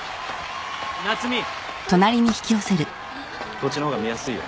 こっちの方が見やすいよ。